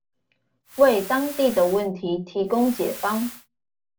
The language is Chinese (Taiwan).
為當地的問題提供解方